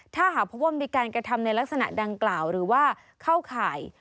ถ้าหากพบว่ามีการกระทำในลักษณะดังกล่าวหรือว่าเข้าข่าย